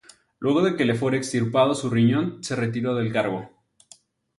Luego de que le fuera extirpado su riñón se retiró del cargo.